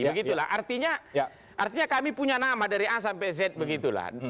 begitulah artinya artinya kami punya nama dari a sampai z begitulah